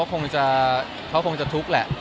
เขาคงจะทุกข์แหละ